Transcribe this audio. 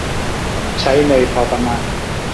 ใช้เนยพอประมาณ